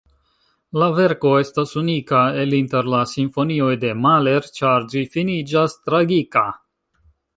La verko estas unika el inter la simfonioj de Mahler, ĉar ĝi finiĝas tragika.